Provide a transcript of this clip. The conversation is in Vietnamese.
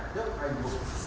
cơ quan kể sát